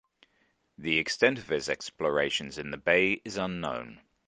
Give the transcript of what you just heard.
The extent of his explorations in the bay is unknown.